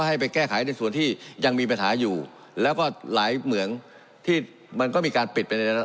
ให้ไปแก้ไขในส่วนที่ยังมีปัญหาอยู่แล้วก็หลายเหมืองที่มันก็มีการปิดไปใน